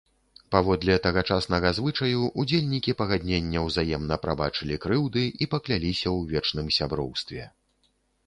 Паводле тагачаснага звычаю, удзельнікі пагаднення ўзаемна прабачылі крыўды і пакляліся ў вечным сяброўстве.